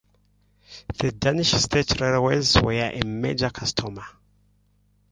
The Danish State Railways were a major customer.